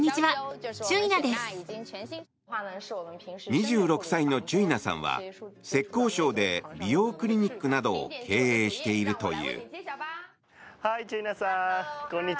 ２６歳のチュイナさんは浙江省で美容クリニックなどを経営しているという。